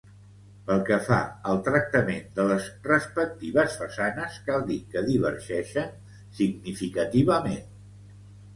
Pel que fa al tractament de les respectives façanes cal dir que divergeixen significativament.